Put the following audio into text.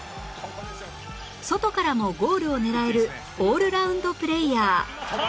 外からもゴールを狙えるオールラウンドプレーヤー